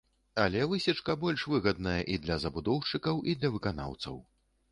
Але высечка больш выгадная і для забудоўшчыкаў, і для выканаўцаў.